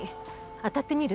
当たってみる？